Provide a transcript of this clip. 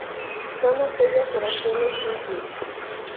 Son aquellas oraciones simples.